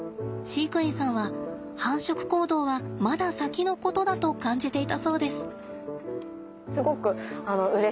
飼育員さんは繁殖行動はまだ先のことだと感じていたそうです。